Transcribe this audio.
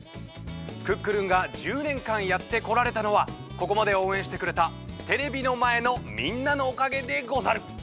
「クックルン」が１０年かんやってこられたのはここまでおうえんしてくれたテレビのまえのみんなのおかげでござる！